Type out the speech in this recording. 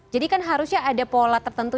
kan harusnya ada pola tertentu